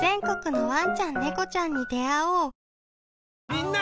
みんな！